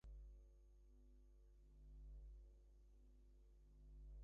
Shipyards, wharfs, and sawmills have also dotted the shore.